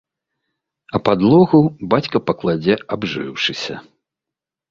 А падлогу бацька пакладзе абжыўшыся.